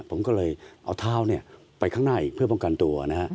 ผมก็เลยเอาเท้าไปข้างหน้าอีกเพื่อป้องกันตัวนะฮะ